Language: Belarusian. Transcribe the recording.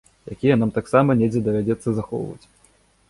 Якія нам таксама недзе давядзецца захоўваць.